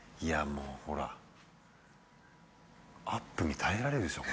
もうほらアップに耐えられるでしょ